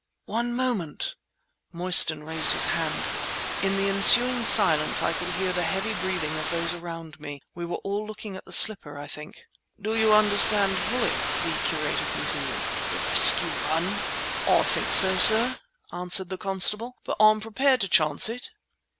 "One moment"—Mostyn raised his hand! In the ensuing silence I could hear the heavy breathing of those around me. We were all looking at the slipper, I think. "Do you understand, fully," the curator continued, "the risk you run?" "I think so, sir," answered the constable; "but I'm prepared to chance it."